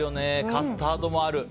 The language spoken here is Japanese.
カスタードもある。